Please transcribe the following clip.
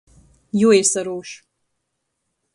Juoīsarūš.